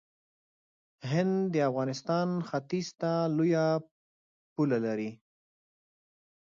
هند د افغانستان ختیځ ته لوی پوله لري.